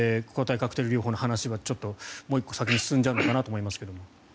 カクテル療法の話はちょっともう１個先に進んでしまうのかなと思うんですけど。